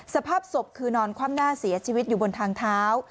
สภาพศพคือนอนคว่ำหน้าเสียชีวิตอยู่บนทางเท้า